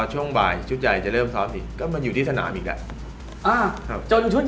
จนชุดใหญ่เสร็จแล้วก็สินค่อยกลับ